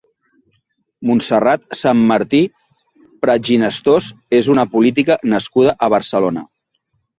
Montserrat Sanmartí Pratginestós és una política nascuda a Barcelona.